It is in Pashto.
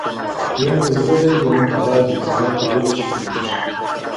یو مي زړه دی یو مي خدای دی زما په ژبه چي پوهیږي